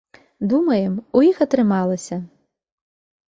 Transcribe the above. Думаем, у іх атрымалася!